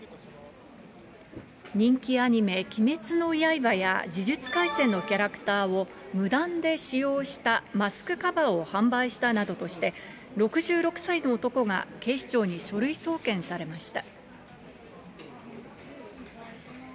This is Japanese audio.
人気アニメ、鬼滅の刃や、呪術廻戦のキャラクターを無断で使用したマスクカバーを販売したなどとして、６６歳の男が警視庁に書類送検されました。